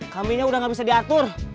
kambingnya udah nggak bisa diatur